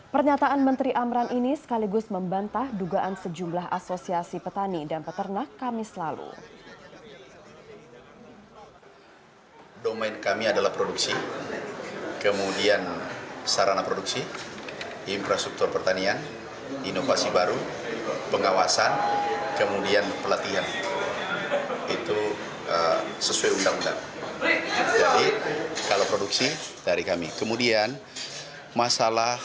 pernyataan menteri amran ini sekaligus membantah dugaan sejumlah asosiasi petani dan peternak kami selalu